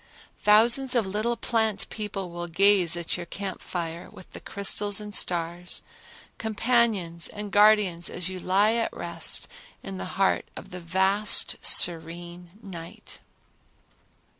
Thousands of the little plant people will gaze at your camp fire with the crystals and stars, companions and guardians as you lie at rest in the heart of the vast serene night.